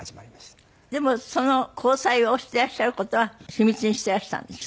でもその交際をしてらっしゃる事は秘密にしてらしたんでしょ？